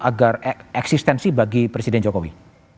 agar eksistensi bagi presiden jokowi